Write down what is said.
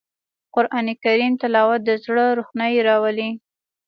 قرآن کریم تلاوت د زړه روښنايي راولي